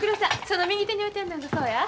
その右手に置いてあるのがそうや。